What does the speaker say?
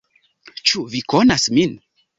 "Ĉu vi konas min?"